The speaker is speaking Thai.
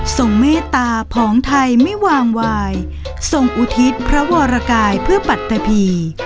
เมตตาผองไทยไม่วางวายทรงอุทิศพระวรกายเพื่อปัตตะพี